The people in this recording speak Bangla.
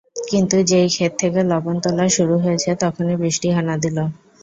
কিন্তু যেই খেত থেকে লবণ তোলা শুরু হয়েছে তখনই বৃষ্টি হানা দিল।